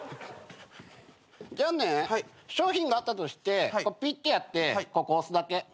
じゃあね商品があったとしてピッてやってここ押すだけ。